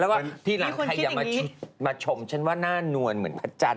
แล้วว่าเมื่อไหว้ใครอย่ามาชมฉันว่าหน้านวนเหมือนพระจรณ